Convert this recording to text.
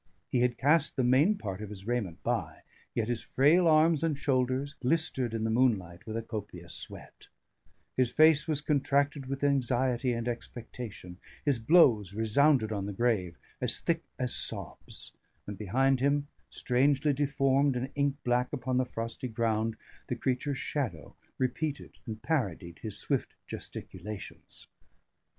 He had cast the main part of his raiment by, yet his frail arms and shoulders glistered in the moonlight with a copious sweat; his face was contracted with anxiety and expectation; his blows resounded on the grave, as thick as sobs; and behind him, strangely deformed and ink black upon the frosty ground, the creature's shadow repeated and parodied his swift gesticulations.